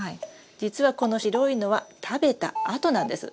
実はこの白いのは食べた跡なんです。